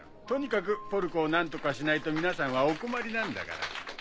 とにかくポルコを何とかしないと皆さんはお困りなんだから。